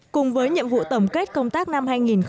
cùng với nhiệm vụ tổng kết công tác năm hai nghìn một mươi chín